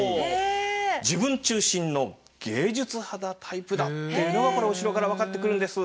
自分中心の芸術肌タイプだっていうのがこのお城から分かってくるんです。